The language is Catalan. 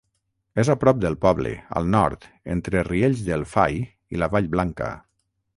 És a prop del poble, al nord, entre Riells del Fai i la Vall Blanca.